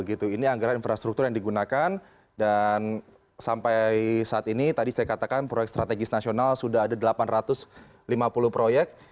ini anggaran infrastruktur yang digunakan dan sampai saat ini tadi saya katakan proyek strategis nasional sudah ada delapan ratus lima puluh proyek